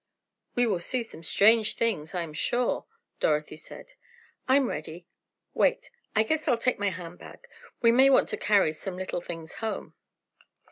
"We will see some strange things, I am sure," Dorothy said. "I'm ready. Wait. I guess I'll take my handbag. We may want to carry some little things home."